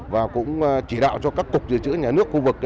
và cũng chỉ đạo cho các cục dự trữ nhà nước khu vực